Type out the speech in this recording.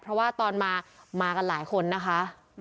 เพราะว่าตอนมามากันหลายคนนะคะ